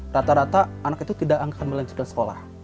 rata rata anak itu tidak akan melanjutkan sekolah